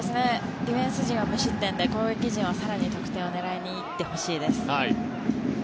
ディフェンス陣は無失点で攻撃陣は更に得点を狙いにいってほしいです。